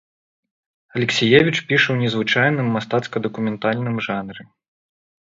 Алексіевіч піша ў незвычайным мастацка-дакументальным жанры.